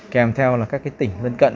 kèm theo là các tỉnh gần cận